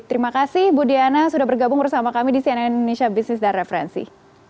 terima kasih bu diana sudah bergabung bersama kami di cnn indonesia business dan referensi